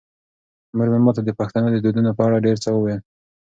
مور مې ماته د پښتنو د دودونو په اړه ډېر څه وویل.